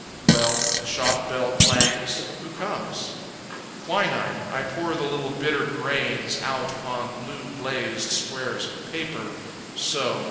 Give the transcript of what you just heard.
Well... The shop bell clangs! Who comes? Quinine I pour the little bitter grains Out upon blue, glazed squares of paper. So.